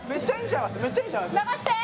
流して！